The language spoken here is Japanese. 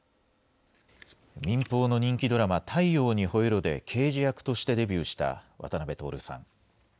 民放の人気ドラマ、太陽にほえろ！で刑事役としてデビューした渡辺徹さん。